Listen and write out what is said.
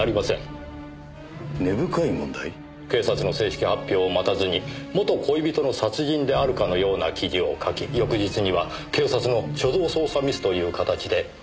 警察の正式発表を待たずに元恋人の殺人であるかのような記事を書き翌日には警察の初動捜査ミスという形で犯行を否定。